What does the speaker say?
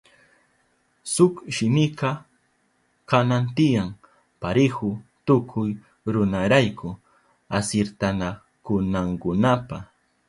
Shuk shimika kanan tiyan parihu tukuy runarayku asirtanakunankunapa.